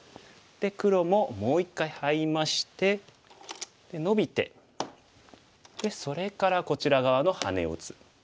黒ももう一回ハイましてでノビてそれからこちら側のハネを打つ。